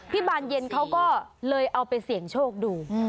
บานเย็นเขาก็เลยเอาไปเสี่ยงโชคดู